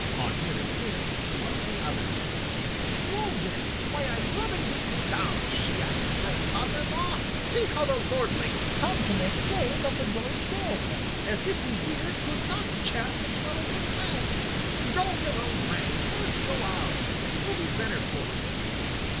On hearing this, one of the others exclaimed, "Woa then! why, I'm rubbing thee down, she ass of my father in law! See how the lordlings come to make game of the village girls now, as if we here could not chaff as well as themselves. Go your own way, and let us go ours, and it will be better for you."